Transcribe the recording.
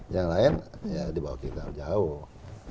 yang lain ya dibawah kita jauh